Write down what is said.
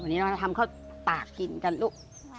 วันนี้เราจะทำข้าวตากกินกันลูก